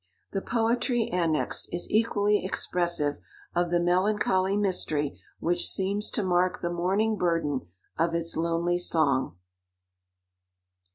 The poetry annexed, is equally expressive of the melancholy mystery which seems to mark the mourning burden of its lonely song.